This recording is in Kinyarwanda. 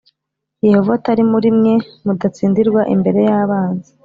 Yehova atari muri mwe mudatsindirwa imbere y abanzi